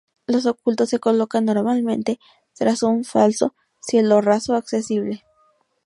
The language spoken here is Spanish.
Los ocultos se colocan normalmente tras un falso cielorraso accesible.